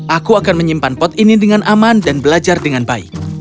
aku akan menyimpan pot ini dengan aman dan belajar dengan baik